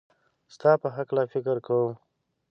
ستا په هکله فکر کوم